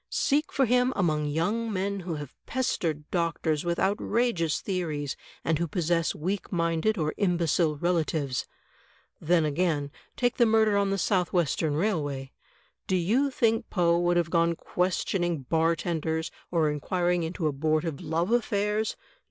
Seek CLOSE OBSERVATION I43 for him among young men who have pestered doctors with out rageous theories, and who possess weak minded or imbecile relatives.' Then, again, take the murder on the South Western Railway. Do you think Poe would have gone questioning bartenders or inquiring into abortive love affairs?